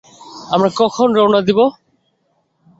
আমরা কখন রওনা দিবো?